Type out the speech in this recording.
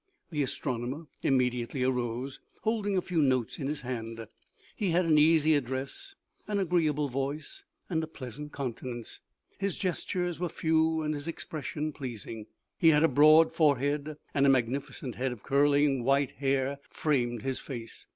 The astronomer immediately arose, holding a few notes in his hand. He had an easy address, an agree able voice, and a pleasant countenance. His gestures were few and his expression pleasing. He had a broad forehead and a magnificent head of curling, white hair framed his face.